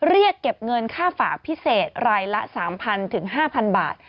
เรียกเก็บเงินค่าฝากพิเศษรายละ๓๐๐๕๐๐บาท